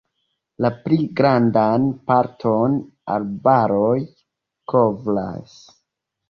La pli grandan parton arbaroj kovras.